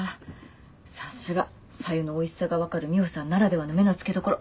さすが白湯のおいしさが分かるミホさんならではの目の付けどころ。